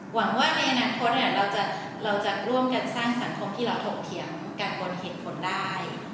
หวังว่าในอนาคตเราจะร่วมกันสร้างสังคมที่เราถกเถียงกันบนเหตุผลได้